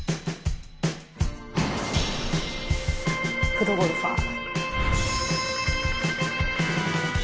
プロゴルファー。